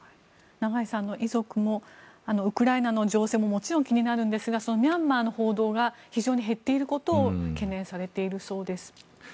長井さんの遺族もウクライナの情勢ももちろん気になるんですがミャンマーの報道が非常に減っていることが懸念されているそうです。